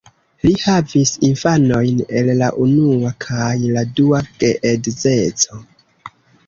Li havis infanojn el la unua kaj la dua geedzeco.